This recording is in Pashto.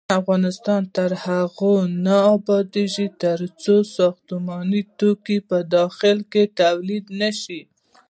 افغانستان تر هغو نه ابادیږي، ترڅو ساختماني توکي په داخل کې تولید نشي.